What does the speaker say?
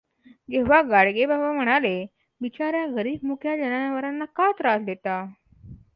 तेव्हा गाडगेबाबा म्हणाले, बिचार् या गरीब मुक्या जनावरांना त्रास का देता?